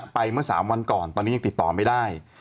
เมื่อ๓วันก่อนตอนนี้ยังติดต่อไม่ได้